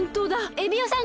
エビオさん